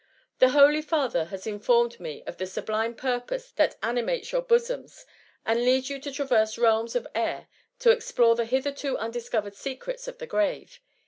The holy father has informed me of the sublime purpose that animates your bosoms, and leads you to traverse realms of air, to explore the hitherto undiscovered secrets of the grave.